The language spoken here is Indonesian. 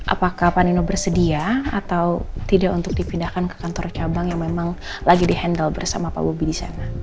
apakah pak nino bersedia atau tidak untuk dipindahkan ke kantor cabang yang memang lagi di handle bersama pak bobi di sana